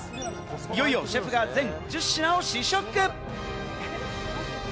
いよいよシェフが全１０品を試食。